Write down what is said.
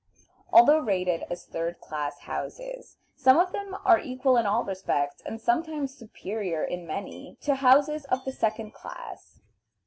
Although rated as third class houses, some of them are equal in all respects, and sometimes superior in many, to houses of the second class.